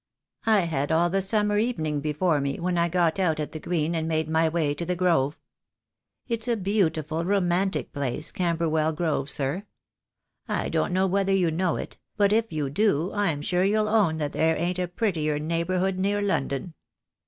I had all the summer evening before me when I got out at the Green and made my way to the Grove. It's a beautiful romantic place, Camberwell Grove, sir. I don't know whether you know it, but if you do I'm sure you'll own that there ain't a prettier neighbourhood near London.